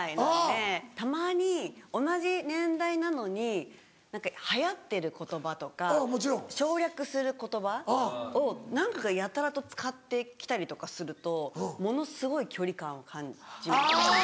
たまに同じ年代なのに流行ってる言葉とか省略する言葉を何かやたらと使って来たりとかするとものすごい距離感を感じますね。